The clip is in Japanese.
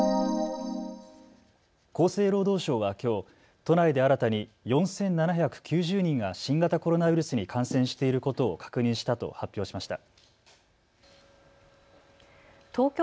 厚生労働省はきょう都内で新たに４７９０人が新型コロナウイルスに感染していることを確認したと発表しました。